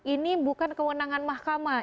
ini bukan kewenangan mahkamah